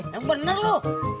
yang bener lo